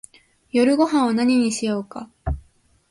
夜ごはんは何にしようか